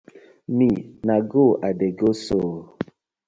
Me na go I dey go so ooo.